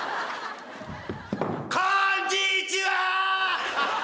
こんにちは！